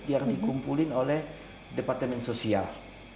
yang dikumpulin oleh departemen sosial